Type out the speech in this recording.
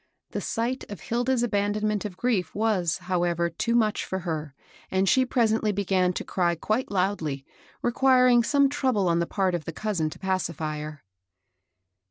The sight of Hilda's abandonment of grief was, how ever, too much for her, and she presently began to cry quite loudly, requiring some trouble on the part of the cousin to pacify her.